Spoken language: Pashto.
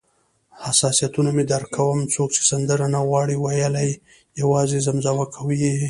حساسیتونه مې درک کوم، څوک چې سندره نه غواړي ویلای، یوازې زمزمه کوي یې.